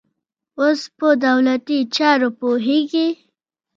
اوس په دولتي چارو پوهېږي.